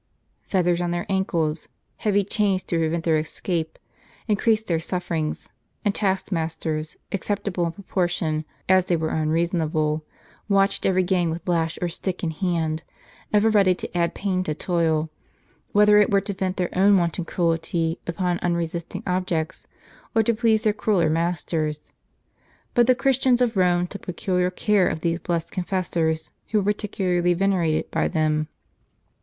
Fetters on their ankles, heavy chains to prevent their escape, increased their sufferings ; and task masters, acceptable in proportion as they were unreason able, watched every gang with lash or stick in hand, ever ready to add pain to toil, whether it were to vent their own wanton cruelty upon unresisting objects, or to please their crueller masters. But the Christians of Eome took peculiar care of these blessed confessors, who were particularly venerated by them.